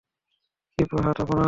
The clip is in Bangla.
ক্ষিপ্র হাত আপনার।